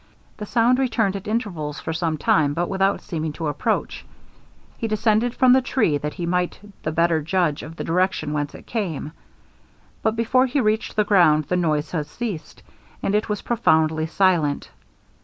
The sound returned at intervals for some time, but without seeming to approach. He descended from the tree, that he might the better judge of the direction whence it came; but before he reached the ground, the noise was ceased, and all was profoundly silent.